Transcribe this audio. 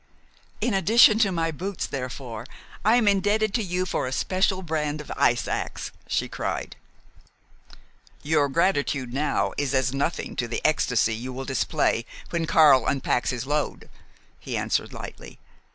"In addition to my boots, therefore, I am indebted to you for a special brand of ice ax," she cried. "Your gratitude now is as nothing to the ecstasy you will display when Karl unpacks his load," he answered lightly.